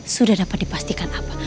sudah dapat dipastikan apa